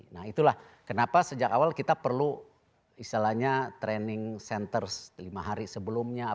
nah itulah kenapa sejak awal kita perlu istilahnya training centers lima hari sebelumnya